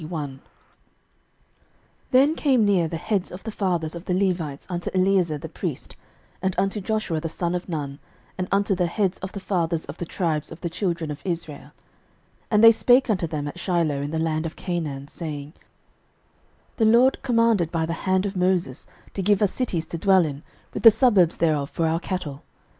06:021:001 Then came near the heads of the fathers of the Levites unto Eleazar the priest, and unto Joshua the son of Nun, and unto the heads of the fathers of the tribes of the children of Israel; 06:021:002 And they spake unto them at Shiloh in the land of Canaan, saying, The LORD commanded by the hand of Moses to give us cities to dwell in, with the suburbs thereof for our cattle.